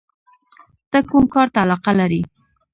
ته کوم کار ته علاقه لرې؟